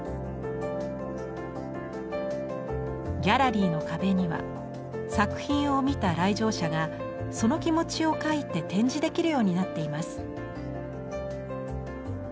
ギャラリーの壁には作品を見た来場者がその気持ちを描いて展示できるようになっています。